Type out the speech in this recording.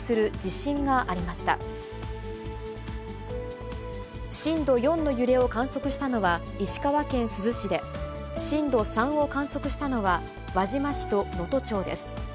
震度４の揺れを観測したのは、石川県珠洲市で、震度３を観測したのは輪島市と能登町です。